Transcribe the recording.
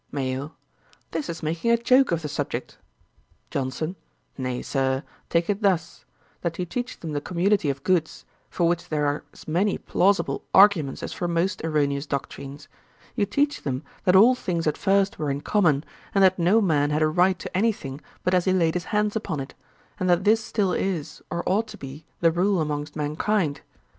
MAYO. 'This is making a joke of the subject.' JOHNSON.' 'Nay, Sir, take it thus: that you teach them the community of goods; for which there are as many plausible arguments as for most erroneous doctrines. You teach them that all things at first were in common, and that no man had a right to any thing but as he laid his hands upon it; and that this still is, or ought to be, the rule amongst mankind.